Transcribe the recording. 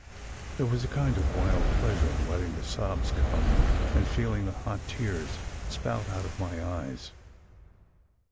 There was a kind of wild pleasure in letting the sobs come, and feeling the hot tears spout out of my eyes.